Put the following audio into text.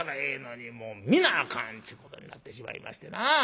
皆あかんっちゅうことになってしまいましてな。